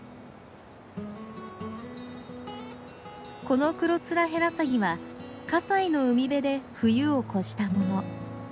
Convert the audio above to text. このクロツラヘラサギは西の海辺で冬を越したもの。